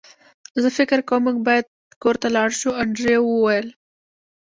زه فکر کوم موږ باید کور ته لاړ شو انډریو وویل